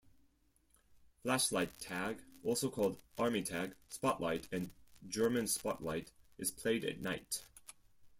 Flashlight tag, also called "Army tag", "Spotlight", and "German Spotlight", is played at night.